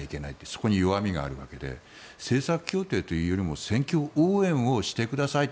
そこに弱みがあるわけで政策協定というよりも選挙応援をしてください